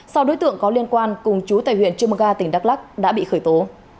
sau đối tượng có liên quan cùng chú tại huyện chumaga tỉnh đắk lắc đã bị khởi tố